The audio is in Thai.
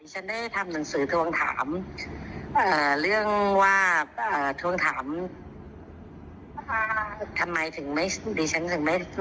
ฉันได้ทำหนังสือทรวงถามเรื่องว่าทรวงถาม